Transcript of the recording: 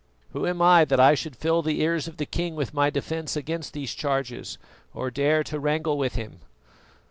Who am I that I should full the ears of a king with my defence against these charges, or dare to wrangle with him?"